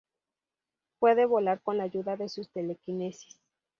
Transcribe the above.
Puede volar con la ayuda de su telequinesis.